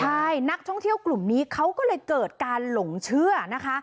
ใช่นักท่องเที่ยวกลุ่มนี้เขาก็เลยเกิดการหลงเชื่อนะคะ